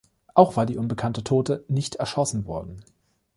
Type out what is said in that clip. Auch war die unbekannte Tote nicht erschossen worden.